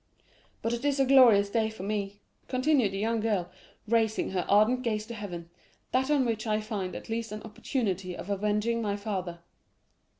But it is a glorious day for me,' continued the young girl, raising her ardent gaze to heaven, 'that on which I find at last an opportunity of avenging my father!